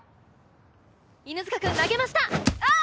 犬塚くん投げましたああ！